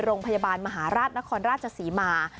โรงพยาบาลมหาราชนครราชศรีมา